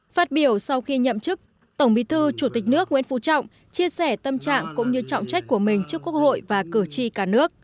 phát biểu sau khi nhậm chức tổng bí thư chủ tịch nước nguyễn phú trọng chia sẻ tâm trạng cũng như trọng trách của mình trước quốc hội và cử tri cả nước